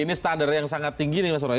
ini standar yang sangat tinggi nih mas roy